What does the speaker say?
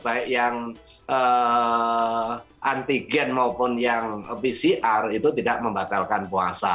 baik yang antigen maupun yang pcr itu tidak membatalkan puasa